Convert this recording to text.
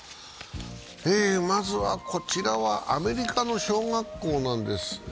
まずはこちら、アメリカの小学校なんです。